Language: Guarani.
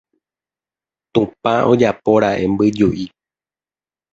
Tupã ojapóra'e mbyju'i.